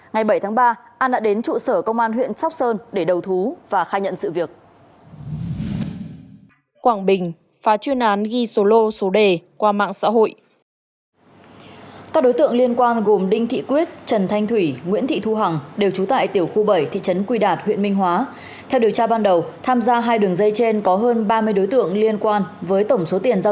ngày bảy tháng ba an đã đến trụ sở công an huyện sóc sơn để đầu thú và khai nhận sự việc